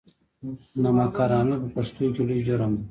نمک حرامي په پښتنو کې لوی جرم دی.